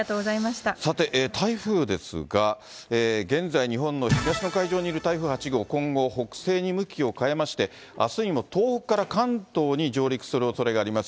さて、台風ですが、現在、日本の東の海上にいる台風８号、今後北西に向きを変えまして、あすにも東北から関東に上陸するおそれがあります。